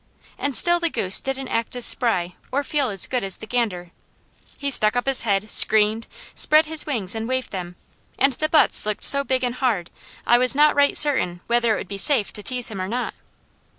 And still the goose didn't act as spry or feel as good as the gander. He stuck up his head, screamed, spread his wings and waved them, and the butts looked so big and hard, I was not right certain whether it would be safe to tease him or not.